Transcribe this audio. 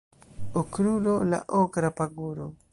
Okrulo la okra paguro